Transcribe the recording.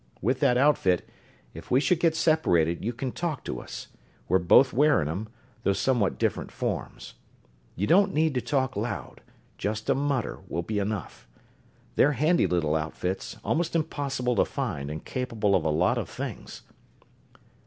With that outfit, if we should get separated, you can talk to us we're both wearing 'em, although somewhat different forms. You don't need to talk loud just a mutter will be enough. They're handy little outfits, almost impossible to find, and capable of a lot of things."